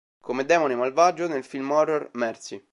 Come Demone malvagio, nel film horror mercy